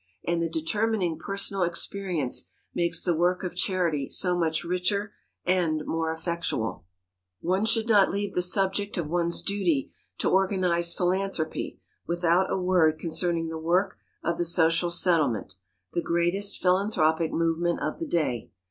And the determining personal experience makes the work of charity so much richer and more effectual. [Sidenote: THE SOCIAL SETTLEMENT] One should not leave the subject of one's duty to organized philanthropy without a word concerning the work of the social settlement, the greatest philanthropic movement of the day.